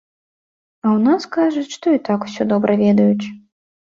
А ў нас кажуць, што і так усё добра ведаюць.